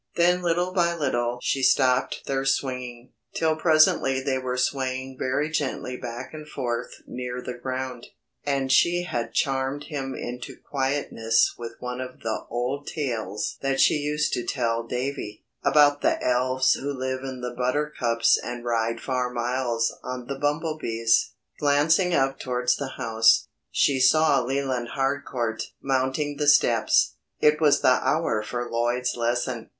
Then little by little she stopped their swinging, till presently they were swaying very gently back and forth near the ground, and she had charmed him into quietness with one of the old tales that she used to tell Davy, about the elves who live in the buttercups and ride far miles on the bumblebees. Glancing up towards the house, she saw Leland Harcourt mounting the steps. It was the hour for Lloyd's lesson.